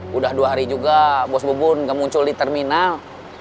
sudah dua hari juga bos bubun nggak muncul di terminal